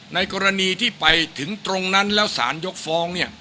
ในกรณีที่ไปถึงตรงนั้นแล้วสารยกฟ้องเนี่ย